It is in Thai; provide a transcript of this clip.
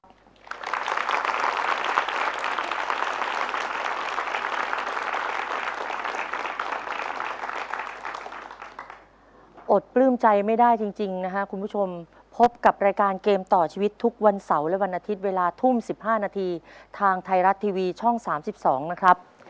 อดปลื้มใจไม่ได้จริงนะครับคุณผู้ชมพบกับรายการเกมต่อชีวิตทุกวันเสาร์และวันอาทิตย์เวลาทุ่ม๑๕นาทีทางไทยรัฐทีวีช่อง๓๒นะครับ